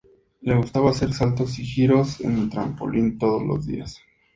Le gustaba hacer saltos y giros en el trampolín todos los días.